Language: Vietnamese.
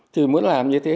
thì muốn làm như thế